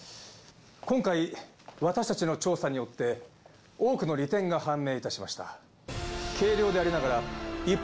今回私たちの調査によって多くの利点が判明いたしました。